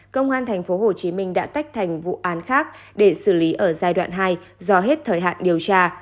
công an tp hcm đã tách thành vụ án khác để xử lý ở giai đoạn hai do hết thời hạn điều tra